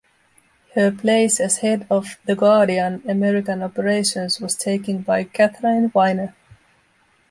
Her place as head of "The Guardian" American operations was taken by Katharine Viner.